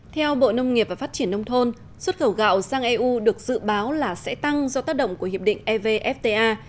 theo bộ nông nghiệp và phát triển nông thôn xuất khẩu gạo sang eu được dự báo là sẽ tăng do tác động của hiệp định evfta